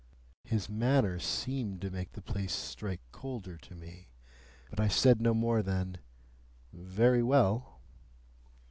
His manner seemed to make the place strike colder to me, but I said no more than, "Very well."